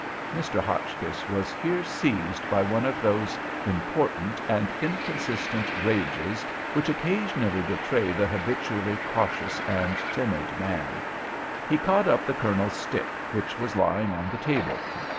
Mr. Hotchkiss was here seized by one of those important and inconsistent rages which occasionally betray the habitually cautious and timid man. He caught up the Colonel's stick, which was lying on the table.